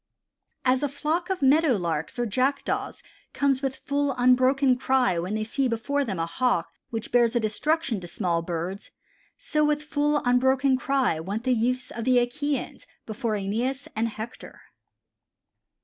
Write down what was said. "As a flock of Meadow Larks or Jackdaws comes with full, unbroken cry when they see before them a Hawk which bears destruction to small birds, so with full, unbroken cry went the youths of the Achæans before Æneas and Hector."